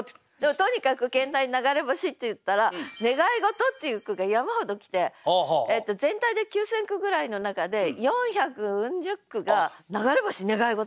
とにかく兼題「流れ星」っていったら「願い事」っていう句が山ほど来て全体で９，０００句ぐらいの中で四百うん十句が「流れ星」「願い事」。